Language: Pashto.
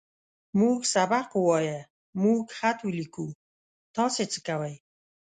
موږ سبق ووايه. موږ خط وليکو. تاسې څۀ کوئ؟